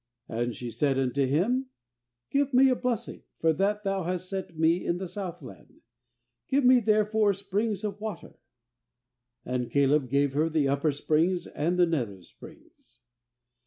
15And she said unto him :' Give me a blessing; for that thou hast set me in the Southland, give me therefore springs of water.' And Caleb gave her the Upper Springs and the Nether Springs.